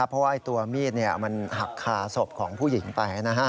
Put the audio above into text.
เพราะตัวมีดหักคาสมประเภทหักคาสมประเภทของผู้หญิงไป